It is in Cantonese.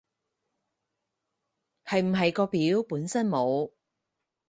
係唔係個表本身冇